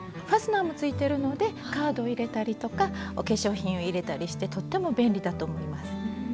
ファスナーもついてるのでカードを入れたりとかお化粧品を入れたりしてとっても便利だと思います。